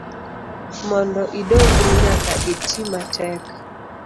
Mondo idongri nyaka itimatek.